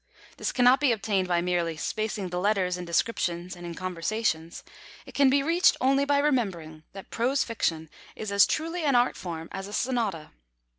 This cannot be obtained by merely spacing the letters in descriptions and in conversations; it can be reached only by remembering that prose fiction is as truly an art form as a Sonata.